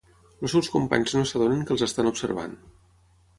Els seus companys no s'adonen que els estan observant.